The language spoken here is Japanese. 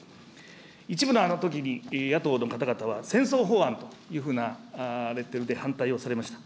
一部のあのときに、野党の方々は、戦争法案というふうなレッテルで反対をされました。